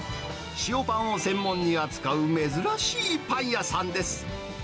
塩パンを専門に扱う珍しいパン屋さんです。